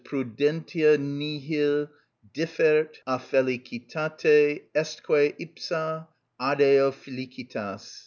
(_Prudentia nihil differt a felicitate, estque ipsa adeo felicitas.